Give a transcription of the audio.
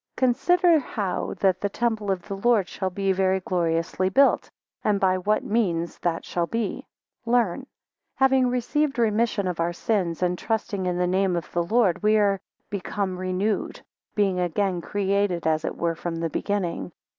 20 Consider, how that the temple of the Lord shall be very gloriously built; and by what means that shall be, learn. 21 Having received remission of our sins, and trusting in the name of the Lord, we are become renewed, being again created as it were from the beginning.